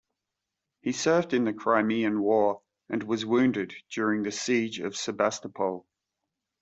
He served in the Crimean War, and was wounded during the siege of Sebastopol.